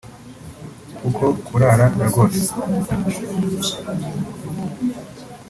kuko kurara Lagos